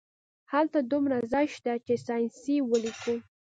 هلته دومره ځای شته چې ساینسي ولیکو